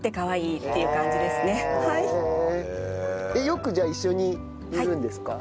よくじゃあ一緒にいるんですか？